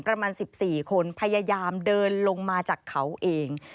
ประมาณ๑๔คนพยายามเดินลงมาจากเขาเอง